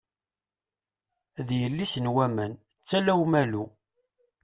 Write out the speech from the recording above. D yelli-s n waman, d tala Umalu.